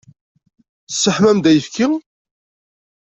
Tesseḥmam-d ayefki?